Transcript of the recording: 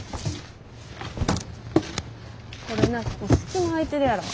これなここ隙間あいてるやろ。